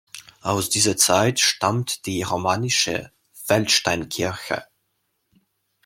Aus dieser Zeit stammt die romanische Feldsteinkirche.